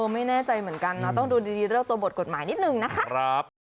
ไม่แน่ใจเหมือนกันเนาะต้องดูดีเรื่องตัวบทกฎหมายนิดนึงนะคะ